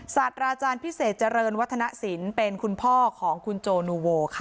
ศาสตราอาจารย์พิเศษเจริญวัฒนศิลป์เป็นคุณพ่อของคุณโจนูโวค่ะ